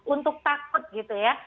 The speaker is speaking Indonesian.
untuk takut gitu ya